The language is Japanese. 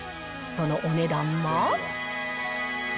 そのお値段は？